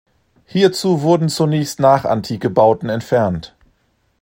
Hierzu wurden zunächst nachantike Bauten entfernt.